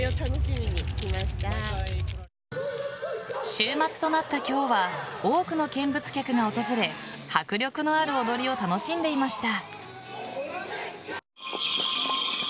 週末となった今日は多くの見物客が訪れ迫力のある踊りを楽しんでいました。